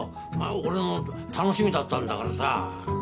俺の楽しみだったんだからさ。